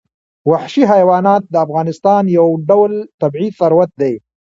وحشي حیوانات د افغانستان یو ډول طبعي ثروت دی.